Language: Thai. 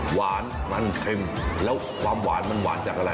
หวานมันเค็มแล้วความหวานมันหวานจากอะไร